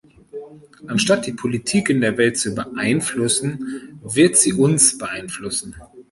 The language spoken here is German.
Anstatt die Politik in der Welt zu beeinflussen, wird sie uns beeinflussen.